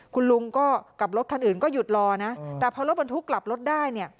คุณลุงก็กับรถคันอื่นก็หยุดรอนะแต่พอรถบรรทุกกลับรถได้เนี่ย